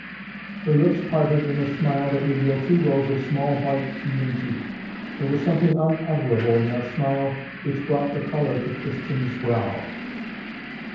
Her lips parted in a smile that revealed two rows of small white, even teeth. There was something unutterable in that smile which brought the color to Tristan's brow.